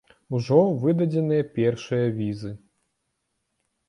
Ужо выдадзеныя першыя візы.